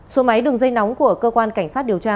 số máy đường dây nóng của cơ quan cảnh sát điều tra